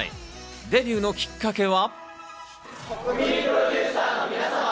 デビューのきっかけは？